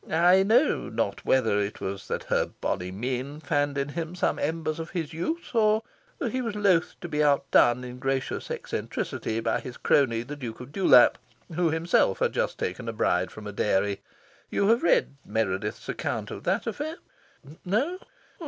I know not whether it was that her bonny mien fanned in him some embers of his youth, or that he was loth to be outdone in gracious eccentricity by his crony the Duke of Dewlap, who himself had just taken a bride from a dairy. (You have read Meredith's account of that affair? No?